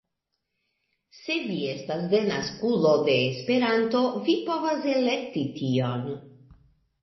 Se vi estas denaskulo de Esperanto vi povas elekti tion